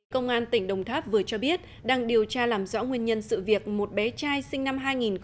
công an tỉnh đồng tháp vừa cho biết đang điều tra làm rõ nguyên nhân sự việc một bé trai sinh năm hai nghìn một mươi tám